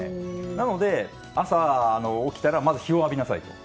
なので、朝起きたらまず日を浴びなさいと。